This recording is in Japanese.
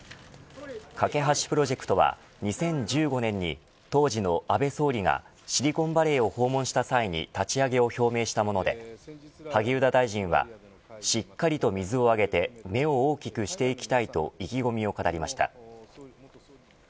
架け橋プロジェクトは２０１５年に当時の安倍総理がシリコンバレーを訪問した際に立ち上げを表明したもので萩生田大臣はしっかりと水をあげて芽を大きくしていきたいと意気込みを語りました。